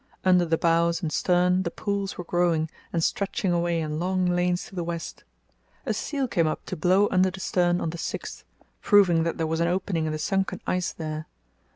Under the bows and stern the pools were growing and stretching away in long lanes to the west. A seal came up to blow under the stern on the 6th, proving that there was an opening in the sunken ice there.